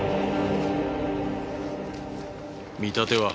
見立ては？